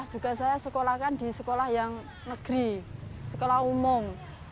saya juga sekolahkan di sekolah yang negeri sekolah umum